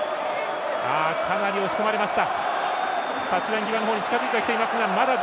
かなり押し込まれました。